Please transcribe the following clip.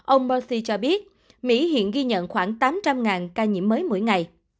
ông berssi cho biết mỹ hiện ghi nhận khoảng tám trăm linh ca nhiễm mới mỗi ngày